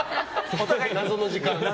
お互い謎の時間が。